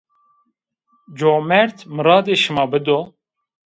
Comerd miradê şima bido